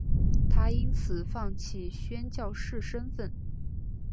她因此放弃宣教士身分。